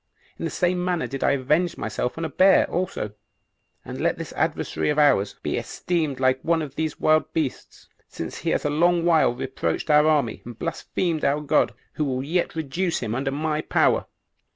In the same manner did I avenge myself on a bear also; and let this adversary of ours be esteemed like one of these wild beasts, since he has a long while reproached our army, and blasphemed our God, who yet will reduce him under my power."